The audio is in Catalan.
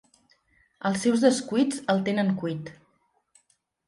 Els seus descuits el tenen cuit.